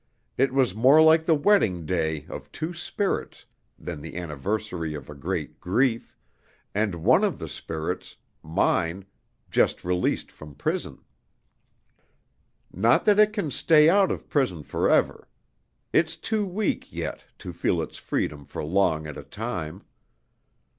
It was more like the wedding day of two spirits than the anniversary of a great grief, and one of the spirits mine just released from prison. Not that it can stay out of prison forever. It's too weak, yet, to feel its freedom for long at a time.